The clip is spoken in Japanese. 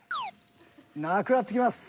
なくなってきます。